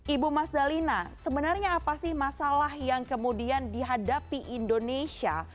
ibu mas dalina sebenarnya apa sih masalah yang kemudian dihadapi indonesia